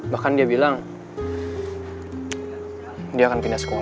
bahkan dia bilang dia akan pindah sekolah